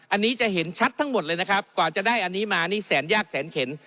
อันนี้จะเห็นชัดทั้งหมดเลยนะครับกว่าจะได้อันนี้มานี่แสนยากแสนเข็น